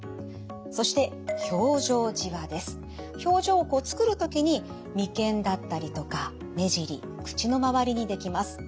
そして表情をつくる時に眉間だったりとか目尻口の周りにできます。